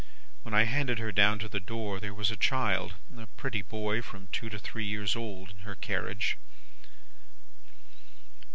When I handed her down to the door, there was a child, a pretty boy from two to three years old, in her carriage.